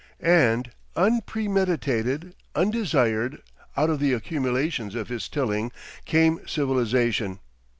And, unpremeditated, undesired, out of the accumulations of his tilling came civilisation.